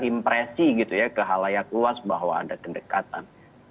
impresi gitu ya ke halayak luas bahwa ada kedekatan